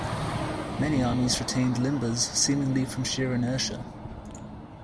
Many armies retained limbers seemingly from sheer inertia.